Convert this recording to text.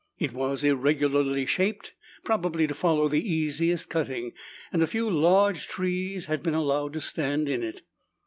It was irregularly shaped, probably to follow the easiest cutting, and a few large trees had been allowed to stand in it.